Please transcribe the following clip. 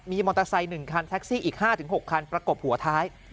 มีมอเตอร์ไซค์๑คันแท็กซี่อีก๕๖คันประกบหัวท้าย